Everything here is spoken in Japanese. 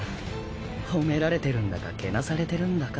褒められてるんだかけなされてるんだか。